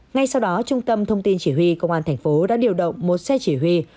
ngay sau đó trung tâm thông tin chỉ huy công an thành phố đã điều động một xe chỉ huy